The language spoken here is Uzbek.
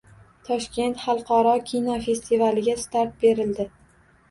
Toshkent xalqaro kinofestivaliga start berildi